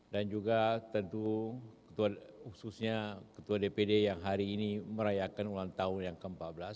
dan juga tentu khususnya ketua dpd yang hari ini merayakan ulang tahun yang ke empat belas